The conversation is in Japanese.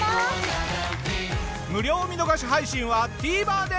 無料見逃し配信はＴＶｅｒで！